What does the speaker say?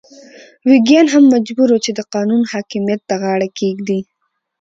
ویګیان هم مجبور وو چې د قانون حاکمیت ته غاړه کېږدي.